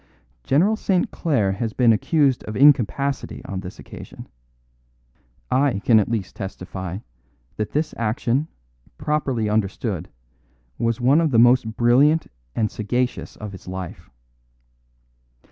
General St. Clare has been accused of incapacity on this occasion; I can at least testify that this action, properly understood, was one of the most brilliant and sagacious of his life.